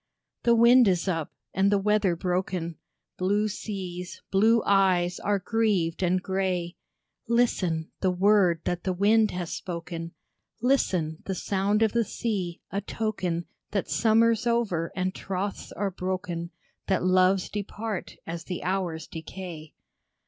The wind is up, and the weather broken, Blue seas, blue eyes, are grieved and grey, Listen, the word that the wind has spoken, Listen, the sound of the sea,—a token That summer's over, and troths are broken,— That loves depart as the hours decay.